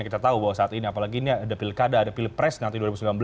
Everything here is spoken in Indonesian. kita tahu bahwa saat ini apalagi ini ada pilkada ada pilpres nanti dua ribu sembilan belas